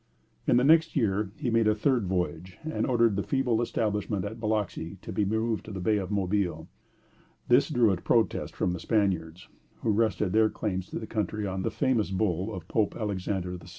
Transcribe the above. In the next year he made a third voyage, and ordered the feeble establishment at Biloxi to be moved to the bay of Mobile. This drew a protest from the Spaniards, who rested their claims to the country on the famous bull of Pope Alexander VI.